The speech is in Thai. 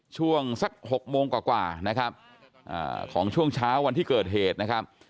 ช่วงสัก๖โมงกว่านะครับของช่วงเช้าวันที่เกิดเหตุนะครับ